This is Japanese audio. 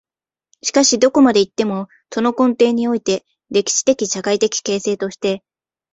しかしどこまで行っても、その根底において、歴史的・社会的形成として、